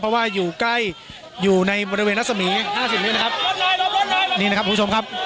เพราะว่าอยู่ใกล้อยู่ในบริเวณรัศมีห้าสิบเมตรนะครับนี่นะครับคุณผู้ชมครับ